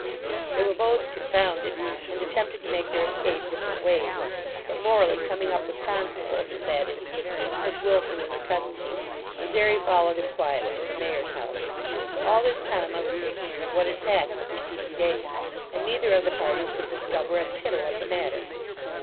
They were both confounded, and attempted to make their escape different ways; but Morley coming up with constables, at that instant, took Wilson into custody, and Jery followed him quietly to the mayor's house. All this time I was ignorant of what had passed the preceding day; and neither of the parties would discover a tittle of the matter.